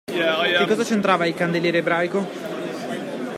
Che cosa c'entrava il candeliere ebraico?